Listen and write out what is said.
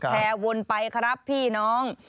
แหวนไปครับพี่น้อง